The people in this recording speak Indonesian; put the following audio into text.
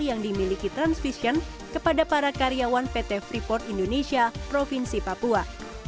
yang dimiliki transvision kepada para karyawan pt freeport indonesia provinsi papua